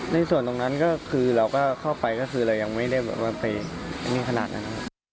ในส่วนตรงนั้นก็คือเราก็เข้าไปก็คือเรายังไม่ได้แบบว่าไปนี่ขนาดนั้น